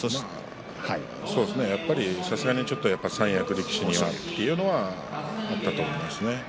さすがに三役力士にはというのはあったと思います。